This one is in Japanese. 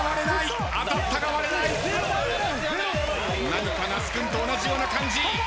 何か那須君と同じような感じ。